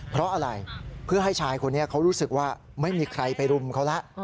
เพราะอะไรเพื่อให้ชายคนนี้เขารู้สึกว่าไม่มีใครไปรุมเขาแล้ว